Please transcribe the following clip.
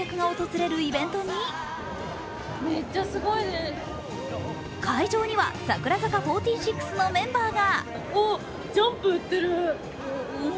例年２５万人もの観客が訪れるイベントに会場には櫻坂４６のメンバーが。